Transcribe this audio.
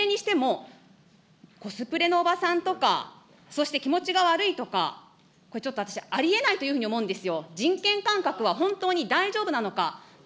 いずれにしても、コスプレのおばさんとか、そして気持ちが悪いとか、これちょっと私、ありえないと思うんですよ、人権感覚は本当に大丈夫なのか。